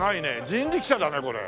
人力車だねこれ。